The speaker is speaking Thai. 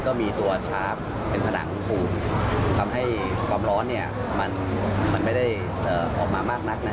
ก็มีตัวชาร์ฟเป็นผนังถูกทำให้ความร้อนมันไม่ได้ออกมามากนักนะ